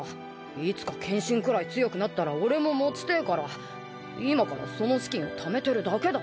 いつか剣心くらい強くなったら俺も持ちてえから今からその資金をためてるだけだって。